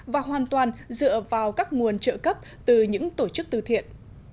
và hoàn toàn dựa vào các nguồn trợ cấp từ những tổ chức tư thiện